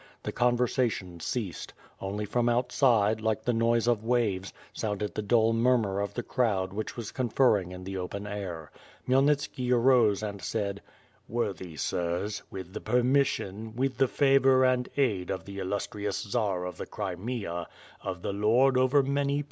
The conversation ceased; only from outside, like the noise of waves, sounded the dull murmur of the crowd which was conferring in the open air. Khymelnitski arose and said: "Worthy sirs, with the permission, with the favor and aid of the illustrious *Czar of the Crimea, of the Lord over many WITH FIRE AND SWORD.